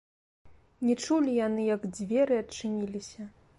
Не чулі яны, як дзверы адчыніліся.